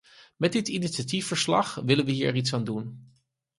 Met dit initiatiefverslag willen we hier iets aan doen.